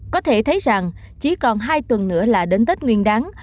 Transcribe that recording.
có thể thấy rằng chỉ còn hai tuần nữa là đến tết nguyên đáng